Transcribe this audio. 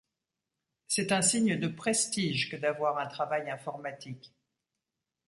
C'est un signe de prestige que d'avoir un travail informatique.